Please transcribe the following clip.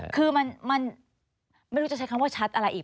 คือมันไม่รู้จะใช้คำว่าชัดอะไรอีก